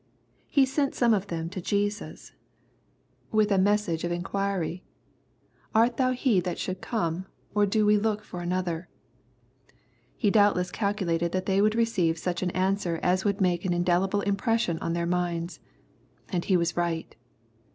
He sent some of them to Jesus, with a message LXJKE, CHAP. VII. 215 of inquiry, —" Art thou he that should come, or do we lock for another?" He douhtless calculated that they would receive such an answer as would make an indelible impression on their minds. And he was right.